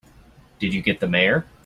Did you get the Mayor?